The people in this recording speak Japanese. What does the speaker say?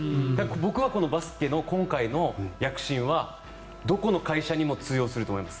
僕はこのバスケの今回の躍進はどこの会社にも通用すると思います。